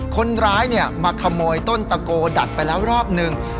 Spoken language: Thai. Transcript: คนร้ายมาขโมยต้นตะโกดัดไปแล้วรอบหนึ่ง